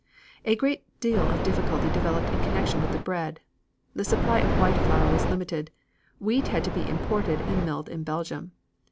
A great deal of difficulty developed in connection with the bread. The supply of white flour was limited; wheat had to be imported, and milled in Belgium.